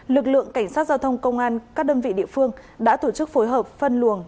lực lượng cảnh sát giao thông công an các đơn vị địa phương đã tổ chức phối hợp phân luồng